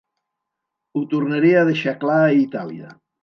Ho tornaré a deixar clar a Itàlia.